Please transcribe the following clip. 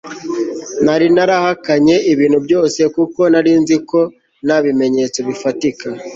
nari narahakanye ibintu byose kuko narinzi ko nta bimenyetso bifatika